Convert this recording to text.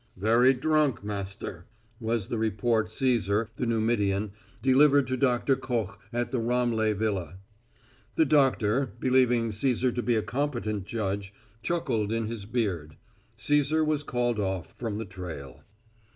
"Very drunk, master," was the report Cæsar, the Numidian, delivered to Doctor Koch at the Ramleh villa. The doctor, believing Cæsar to be a competent judge, chuckled in his beard. Cæsar was called off from the trail.